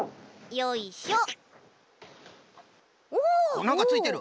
あっなんかついてる。